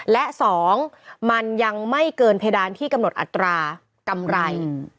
และ๒มันยังไม่เกินเพดานที่กำหนดอัตรากำไร